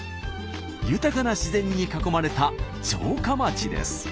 豊かな自然に囲まれた城下町です。